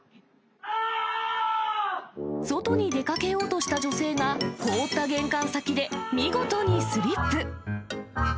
外に出かけようとした女性が、凍った玄関先で見事にスリップ。